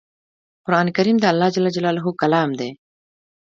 قران کریم د الله ج کلام دی